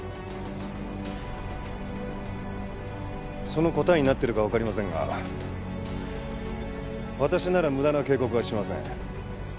その答えになっているかわかりませんが私なら無駄な警告はしません。